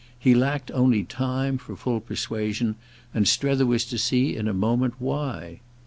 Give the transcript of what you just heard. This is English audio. He lacked only time for full persuasion, and Strether was to see in a moment why.